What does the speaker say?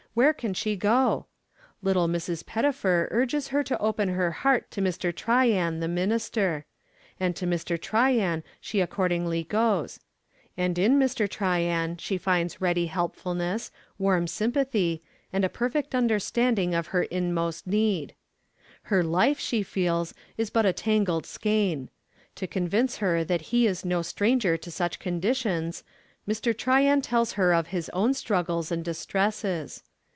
Where can she go? Little Mrs. Pettifer urges her to open her heart to Mr. Tryan, the minister; and to Mr. Tryan she accordingly goes. And in Mr. Tryan she finds ready helpfulness, warm sympathy, and a perfect understanding of her inmost need. Her life, she feels, is but a tangled skein. To convince her that he is no stranger to such conditions, Mr. Tryan tells her of his own struggles and distresses.